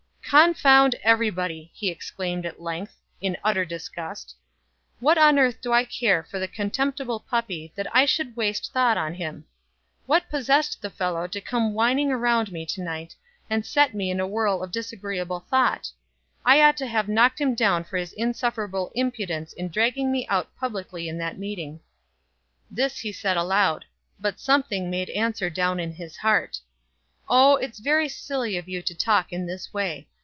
"Confound everybody!" he exclaimed at length, in utter disgust. "What on earth do I care for the contemptible puppy, that I should waste thought on him. What possessed the fellow to come whining around me to night, and set me in a whirl of disagreeable thought? I ought to have knocked him down for his insufferable impudence in dragging me out publicly in that meeting." This he said aloud; but something made answer down in his heart: "Oh, it's very silly of you to talk in this way.